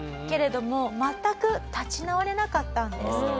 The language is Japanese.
けれども全く立ち直れなかったんです。